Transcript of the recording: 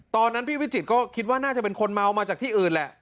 ตอนนั้นพี่วิจิตก็คิดว่าน่าจะเป็นคนเมามาจากที่อื่นแหละ